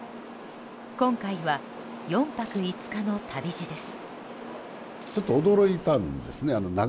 今回は、４泊５日の旅路です。